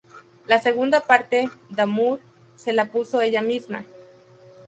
La segunda parte, "d'Amour", se la puso ella misma.